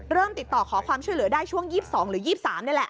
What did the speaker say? ติดต่อขอความช่วยเหลือได้ช่วง๒๒หรือ๒๓นี่แหละ